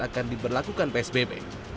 akan diberlakukan psbb